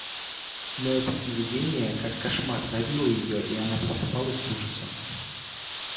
Но это сновидение, как кошмар, давило ее, и она просыпалась с ужасом.